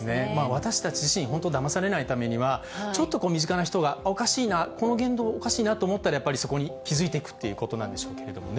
私たち自身、本当、だまされないためには、ちょっと身近な人が、おかしいな、この言動、おかしいなと思ったら、そこに気付いていくっていうことなんでしょうけれどもね。